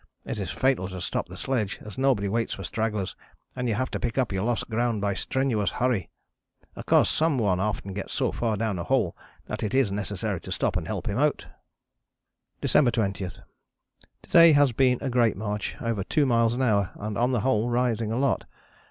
It is fatal to stop the sledge as nobody waits for stragglers, and you have to pick up your lost ground by strenuous hurry. Of course some one often gets so far down a hole that it is necessary to stop and help him out." December 20. "To day has been a great march over two miles an hour, and on the whole rising a lot.